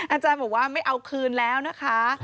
อาจารย์บอกว่าไม่เอาคืนแล้วนะคะ